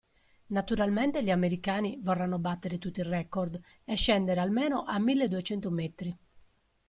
Naturalmente gli americani vorranno battere tutti i record e scendere almeno a milleduecento metri.